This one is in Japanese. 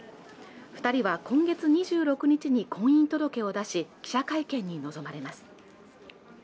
二人は今月２６日に婚姻届を出し記者会見に臨まれます